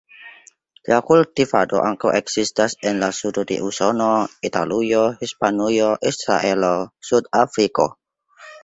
La kultivado ankaŭ ekzistas en la sudo de Usono, Italujo, Hispanujo, Israelo, Sudafriko.